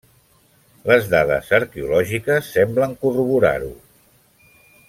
Les dades arqueològiques semblen corroborar-ho.